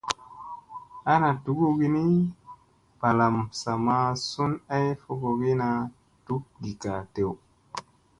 Ana dugugi ni balam sa ma sun ay fogogina duk ngikka dewda.